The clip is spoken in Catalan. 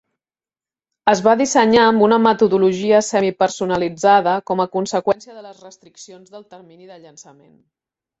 Es va dissenyar amb una metodologia semi-personalitzada, com a conseqüència de les restriccions del termini de llançament.